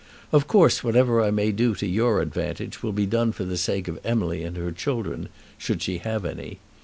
Of course whatever I may do to your advantage will be done for the sake of Emily and her children, should she have any.